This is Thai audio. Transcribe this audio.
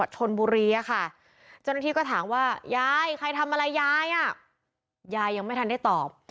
เจ้าหน้าที่ก็ถามว่ายายใครทำอะไรยายยายยังไม่ทันได้ตอบ